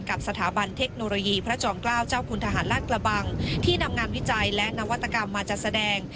กับสถาบันเทคโนโลยีพระจอมเกล้าเจ้าคุณทหารราชกระบังที่นำงานวิจัยและนวัตกรรมมาจัดแสดง